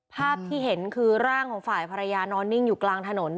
ภาพที่เห็นคือร่างของฝ่ายภรรยานอนนิ่งอยู่กลางถนน